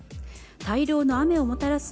大量の雨をもたらす